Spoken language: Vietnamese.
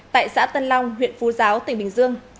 tại xã tân long huyện phu giáo tỉnh bình dương